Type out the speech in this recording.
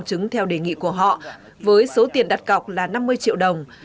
công chứng theo đề nghị của họ với số tiền đặt cọc là năm mươi triệu đồng